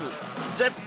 絶品！